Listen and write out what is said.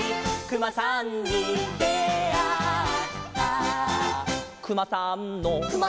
「くまさんの」